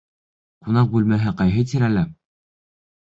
Ҡунаҡ бүлмәһе ҡайһы тирәлә?